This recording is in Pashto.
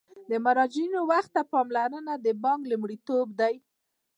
د مراجعینو وخت ته پاملرنه د بانک لومړیتوب دی.